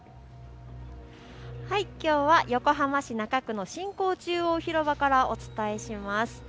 きょうは横浜市中区の新港中央広場からお伝えします。